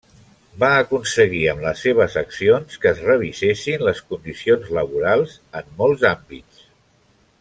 Va aconseguir amb les seves accions que es revisessin les condicions laborals en molts àmbits.